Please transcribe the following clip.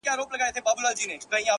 مخته چي دښمن راسي تېره نه وي”